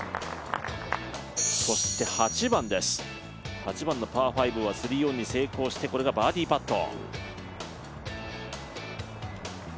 そして８番のパー５は３オンに成功して、これがバーディーパット。